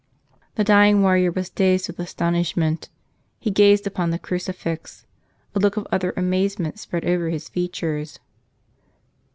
The dying warrior was dazed with astonishment. He gazed upon the crucifix. A look of utter amazement spread over his features.